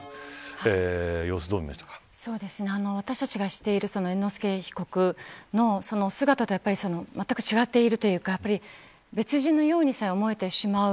私たちが知っている猿之助被告の姿とはまったく違っているというか別人のようにさえ思えてしまう。